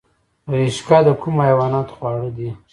رشقه د کومو حیواناتو خواړه دي؟